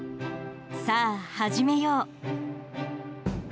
さあ、始めよう。